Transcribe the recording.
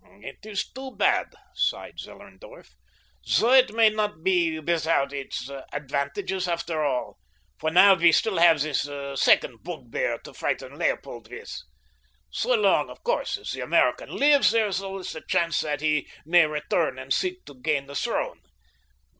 "It is too bad," sighed Zellerndorf; "though it may not be without its advantages after all, for now we still have this second bugbear to frighten Leopold with. So long, of course, as the American lives there is always the chance that he may return and seek to gain the throne.